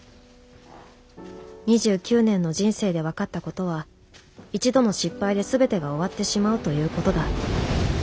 ２９年の人生で分かったことは一度の失敗で全てが終わってしまうということだ。